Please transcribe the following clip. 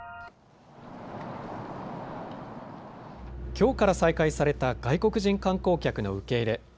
きょうから再開された外国人観光客の受け入れ。